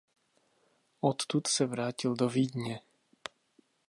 Odtud se vrátil do Vídně.